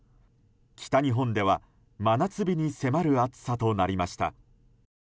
北日本では真夏日に迫る暑さとなりました。